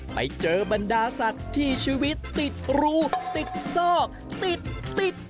ไปเจอบรรดาสัตว์ที่ชีวิตติดรูติดซอกติดติด